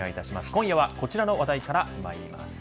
今夜はこちらの話題からまいります。